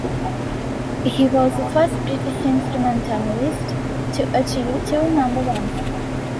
He was the first British instrumentalist to achieve two number ones.